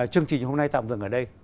chương trình hôm nay tạm dừng ở đây